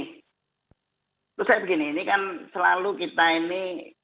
terus saya begini ini kan selalu kita ini